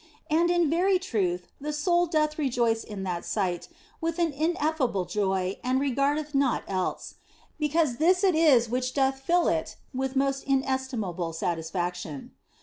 And in very truth the soul doth rejoice in that sight with an ineffable joy and regardeth naught else, because this it is which doth fill it with most inestimable satisfaction.